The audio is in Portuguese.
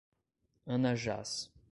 Anajás